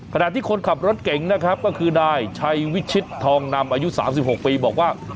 ขณะที่คนขับรถเก่งนะครับก็คือนายชัยวิชิตทองนำอายุ๓๖ปีบอกว่า